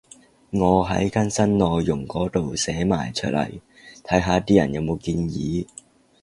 我喺更新內容嗰度寫埋出嚟，睇下啲人有冇建議